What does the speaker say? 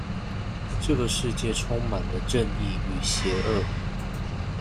這世界充滿了正義與邪惡